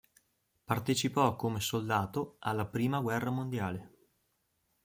Partecipò come soldato alla Prima guerra mondiale.